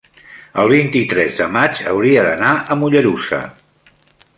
el vint-i-tres de maig hauria d'anar a Mollerussa.